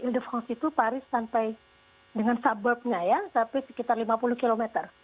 ile de france itu paris sampai dengan suburbnya ya sampai sekitar lima puluh km